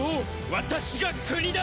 私が国だ！